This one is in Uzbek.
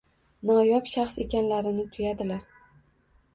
noyob shaxs ekanlarini tuyadilar.